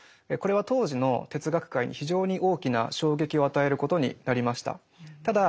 これは当時の哲学界に非常に大きな衝撃を与えることになりました。